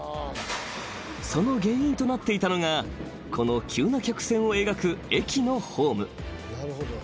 ［その原因となっていたのがこの急な曲線を描く駅のホーム］